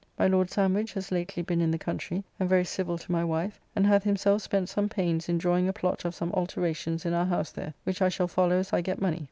My Lord Sandwich has lately been in the country, and very civil to my wife, and hath himself spent some pains in drawing a plot of some alterations in our house there, which I shall follow as I get money.